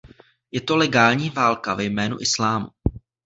Je to legální válka ve jménu islámu.